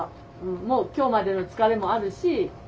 うんもう今日までの疲れもあるし。